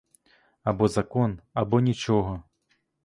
Або закон, або нічого.